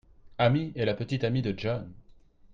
Amy est la petite amie de John.